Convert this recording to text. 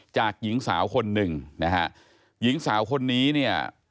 หญิงสาวคนหนึ่งนะฮะหญิงสาวคนนี้เนี่ย